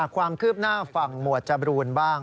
ความคืบหน้าฝั่งหมวดจบรูนบ้าง